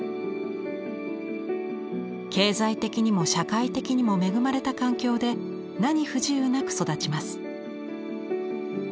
経済的にも社会的にも恵まれた環境で何不自由なく育ちます。